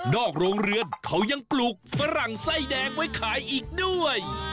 อกโรงเรือนเขายังปลูกฝรั่งไส้แดงไว้ขายอีกด้วย